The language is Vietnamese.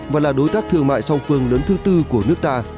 và là đối tác thương mại song phương lớn thứ tư của nước ta